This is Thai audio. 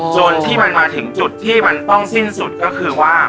จนที่มันมาถึงจุดที่มันต้องสิ้นสุดก็คือว่า